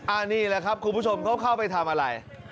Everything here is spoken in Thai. อันนี้แหละครับคุณผู้ชมเขาเข้าไปทำอะไร